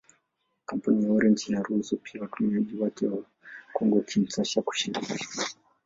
Kampuni ya Orange inaruhusu pia watumiaji wake wa Kongo-Kinshasa kushiriki.